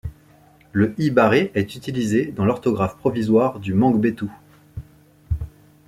Le i barré est utilisé dans l’orthographe provisoire du mangbetu.